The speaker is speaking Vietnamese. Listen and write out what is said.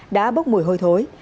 đã bốc mùi hôi thối